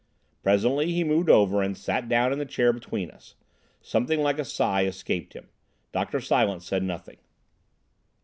Presently he moved over and sat down in the chair between us. Something like a sigh escaped him. Dr. Silence said nothing.